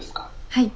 はい。